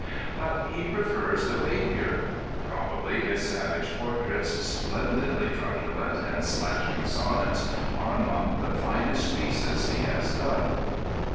But he prefers the rapier. Probably his Savage Portraits, splendidly truculent and slashing sonnets, are among the finest pieces he has done.